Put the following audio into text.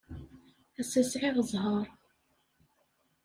Ass-a, sɛiɣ zzheṛ.